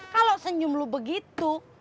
kalo senyum lo begitu